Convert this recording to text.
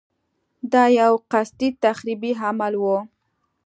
دا یو قصدي تخریبي عمل و.